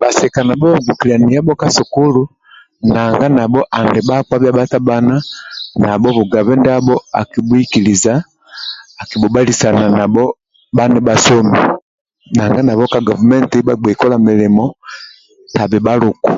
Bhasika nabho ba gbokilyani yabho ka sukulu nanga nabho andi bhakpa bhia bhatabhana nabho bhugabe ndiabho akibhuhikiliza akibhubalisana nabho bha nibhasomi nanga nabho ka gavumenti bhagbei kola milimo tabhi bhaluku